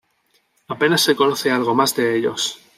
Apenas se conoce algo más de ellos.